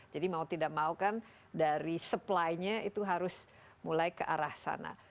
jadi mau tidak mau kan dari supply nya itu harus mulai ke arah sana